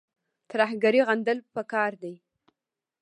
ترهګري غندل پکار دي